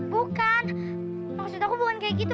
bukan maksud aku bukan kayak gitu